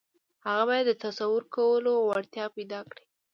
هغه بايد د تصور کولو وړتيا پيدا کړي.